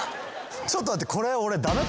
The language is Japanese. ちょっと待って。